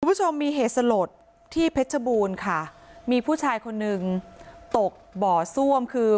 คุณผู้ชมมีเหตุสลดที่เพชรบูรณ์ค่ะมีผู้ชายคนหนึ่งตกบ่อซ่วมคือ